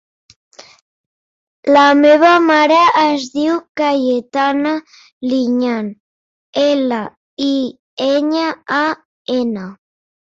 La meva mare es diu Cayetana Liñan: ela, i, enya, a, ena.